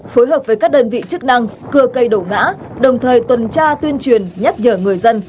phối hợp với các đơn vị chức năng cưa cây đổ ngã đồng thời tuần tra tuyên truyền nhắc nhở người dân